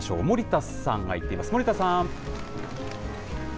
森田さんが行っています、森田さ